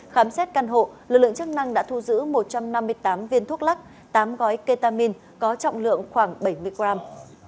khám xét căn hộ lực lượng chức năng đã thu giữ một trăm năm mươi tám viên thuốc lắc tám gói ketamin có trọng lượng khoảng bảy mươi gram